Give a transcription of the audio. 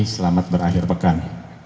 selamat berakhir pekan